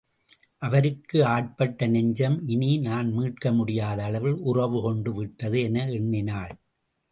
அவருக்கு ஆட்பட்ட நெஞ்சம் இனி நான் மீட்க முடியாத அளவில் உறவுகொண்டு விட்டது. என எண்ணினாள்.